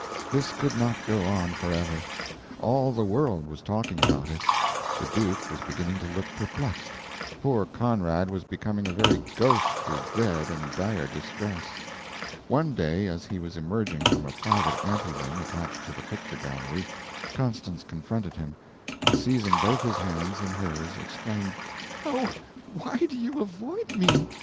This could not go on forever. All the world was talking about it. The Duke was beginning to look perplexed. Poor Conrad was becoming a very ghost through dread and dire distress. One day as he was emerging from a private ante room attached to the picture gallery, Constance confronted him, and seizing both his hands, in hers, exclaimed: "Oh, why, do you avoid me?